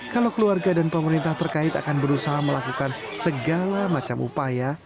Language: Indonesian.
kalau keluarga dan pemerintah terkait akan berusaha melakukan segala macam upaya